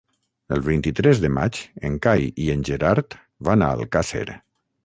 El vint-i-tres de maig en Cai i en Gerard van a Alcàsser.